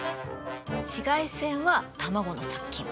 紫外線は卵の殺菌。